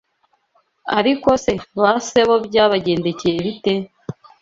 Ariko se, ba se bo byabagendekeye bite?